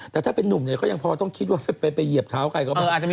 แต่ถ้าเป็นนุ่มเนี่ยก็ยังพอต้องคิดว่าไปเหยียบเท้าใครก็ไป